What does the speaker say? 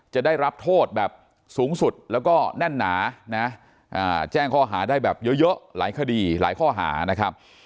จะได้รับโทษแบบสูงสุดแล้วก็แน่นหนานะแจ้งข้อหาได้แบบเยอะหลายคดีหลายข้อหานะครับ